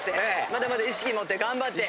まだまだ意識持って頑張って。